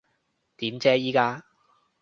點啫依家？